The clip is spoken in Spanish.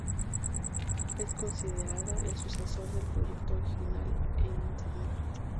Es considerada el sucesor del proyecto original en internet.